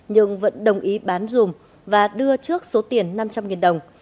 nhưng vẫn đồng ý bán dùm và đưa trước số tiền năm trăm linh đồng